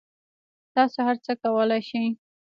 تاسو هر څه کولای شئ